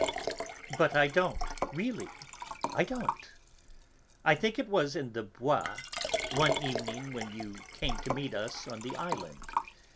"But I don't know; really, I don't. I think it was in the Bois, one evening when you came to meet us on the Island.